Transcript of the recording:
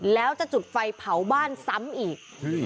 แล้วจะจุดไฟเผาบ้านซ้ำอีก